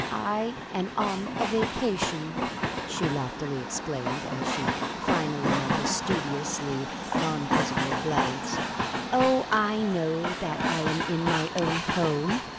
"I am on a vacation," she loftily explained, as she finally met his studiously non quizzical glance. "Oh, I know that I am in my own home!"